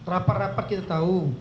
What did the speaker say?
rapat rapat kita tahu